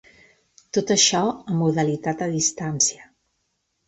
Tot això en modalitat a distància.